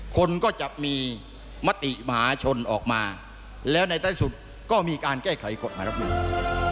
คนก็จะมีมติมหาชนออกมาแล้วในใต้สุดก็มีการแก้ไขกฎหมายรับนูล